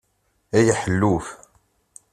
Ay aḥelluf!